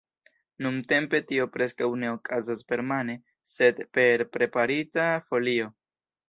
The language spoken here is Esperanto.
Nuntempe tio preskaŭ ne okazas permane, sed per preparita folio.